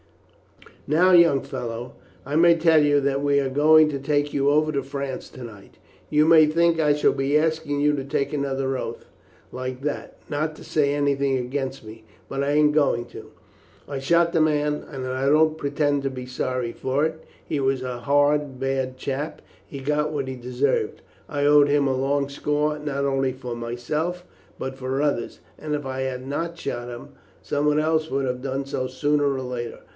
"Now, young fellow, I may tell you that we are going to take you over to France to night. You may think I shall be asking you to take another oath, like that, not to say anything against me, but I ain't going to. I shot the man, and I don't pretend to be sorry for it. He was a hard, bad chap, and he got what he deserved. I owed him a long score, not only for myself, but for others, and if I had not shot him, someone else would have done so sooner or later.